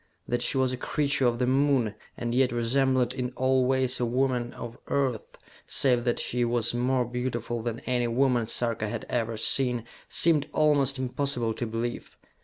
That she was a creature of the Moon, and yet resembled in all ways a woman of Earth, save that she was more beautiful than any woman Sarka had ever seen, seemed almost impossible to believe.